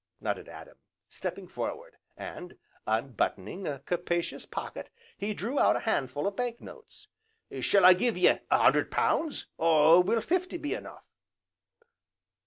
nodded Adam, stepping forward; and, unbuttoning a capacious pocket he drew out a handful of bank notes, "shall I gi'e ye a hundred pound, or will fifty be enough?"